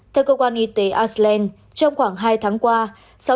theo cơ quan y tế iceland trong khoảng hai tháng qua